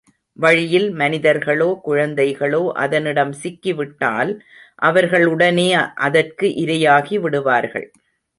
வழியில் மனிதர்களோ குழந்தைகளோ அதனிட சிக்கிவிட்டால், அவர்கள் உடனே அதற்கு இரையாகிவிடுவார்கள்.